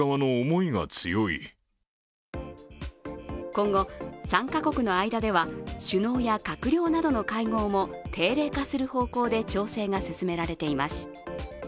今後、３か国の間では首脳や閣僚などの会合も定例化する方向で調整が進められています。